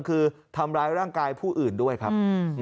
คือทำร้ายร่างกายผู้อื่นด้วยครับ